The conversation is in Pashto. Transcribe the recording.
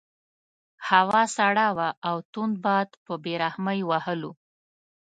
هوا سړه وه او تند باد په بې رحمۍ وهلو.